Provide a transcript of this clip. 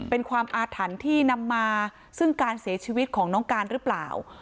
เป็นความอาถรรพ์ที่นำมาซึ่งการเสียชีวิตของน้องการหรือเปล่า